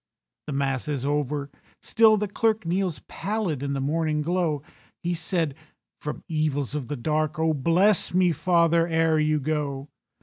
The Mass is over—still the clerk Kneels pallid in the morning glow. He said, "From evils of the dark Oh, bless me, father, ere you go.